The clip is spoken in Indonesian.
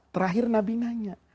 terakhir nabi nanya